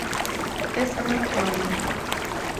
Тэсэмэркъэу.